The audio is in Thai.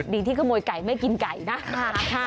ดีที่ขโมยไก่ไม่กินไก่นะ